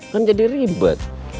kan jadi ribet